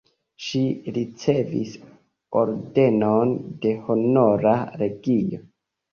Ŝi ricevis ordenon de Honora legio.